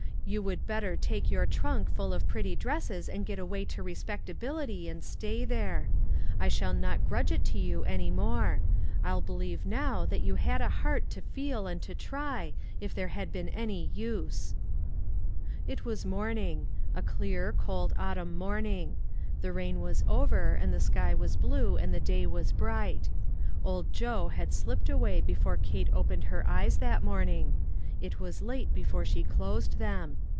You would better take your trunk full of pretty dresses and get away to respectability, and stay there. I shall not grudge it to you any more. I'll believe now that you had a heart to feel and to try, if there had been any use." It was morning. A clear, cold autumn morning. The rain was over, and the sky was blue and the day was bright. Old Joe "WHAT is THE USE?" 193 had slipped away before Kate opened her eyes that morning. It was late before she closed them.